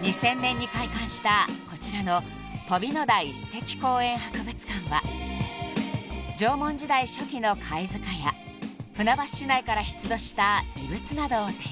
［２０００年に開館したこちらの飛ノ台史跡公園博物館は縄文時代初期の貝塚や船橋市内から出土した遺物などを展示］